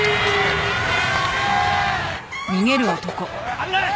危ない！